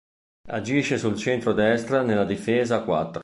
Agisce sul centro-destra nella difesa a quattro.